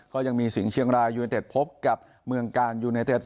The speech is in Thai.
ก็ยังมีสิงห์เชียงรายยูเนเต็ดพบกับเมืองกาลยูเนเต็ด